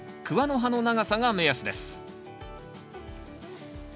クワの刃の長さが目安です